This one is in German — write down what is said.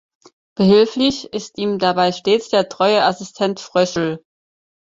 Behilflich ist ihm dabei stets der treue Assistent "Fröschl".